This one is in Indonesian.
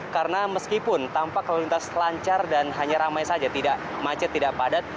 karena meskipun tampak lalu lintas lancar dan hanya ramai saja tidak macet tidak padat